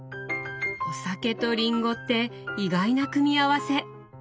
お酒とリンゴって意外な組み合わせ！